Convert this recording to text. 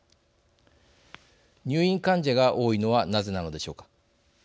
入院患者が多いのはなぜなのでしょうか。